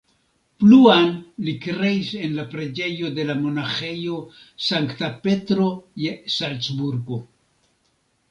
Pluan li kreis en la preĝejo de la monaĥejo Sankta Petro je Salcburgo.